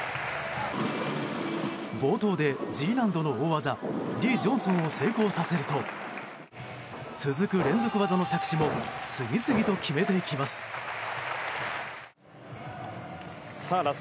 冒頭でＧ難度の大技リ・ジョンソンを成功させると続く連続技の着地も次々と決めていきます。